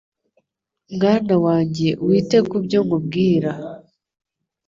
Mwana wanjye wite ku byo nkubwira